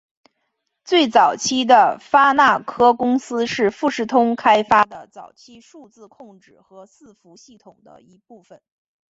最早期的发那科公司是富士通开发的早期数字控制和伺服系统的一部分。